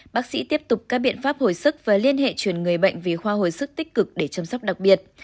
bác sĩ tiếp tục các biện pháp hồi sức và liên hệ truyền người bệnh vì khoa hồi sức tích cực để chăm sóc đặc biệt